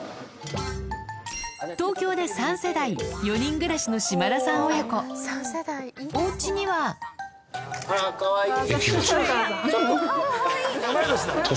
東京で３世代４人暮らしのおうちにはあらかわいい。